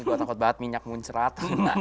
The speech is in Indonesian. gue takut banget minyak muncrat